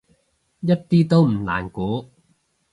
一啲都唔難估